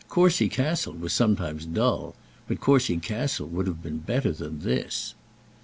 Courcy Castle was sometimes dull, but Courcy Castle would have been better than this.